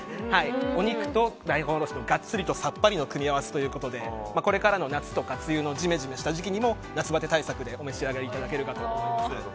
お肉と大根おろしとガッツリとさっぱりの組み合わせでこれからの夏とか冬のジメジメした季節にも夏バテ対策でお召し上がりいただけるかと思います。